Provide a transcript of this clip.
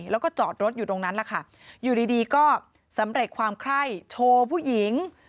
แล้วก็จอดรถอยู่ตรงนั้นแหละค่ะอยู่ดีก็สำเร็จความไคร้โชว์ผู้หญิง